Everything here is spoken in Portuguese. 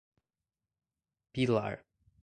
Pilar